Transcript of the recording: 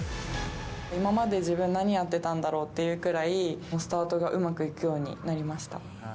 今まで自分、何やってたんだろうっていうくらい、スタートがうまくいくようになりました。